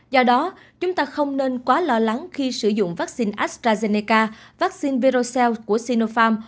do đó chúng ta không nên quá lo lắng khi sử dụng vaccine astrazeneca vaccine perocel của sinopharm